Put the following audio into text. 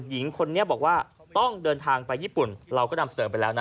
หญิงคนนี้บอกว่าต้องเดินทางไปญี่ปุ่นเราก็นำเสนอไปแล้วนะ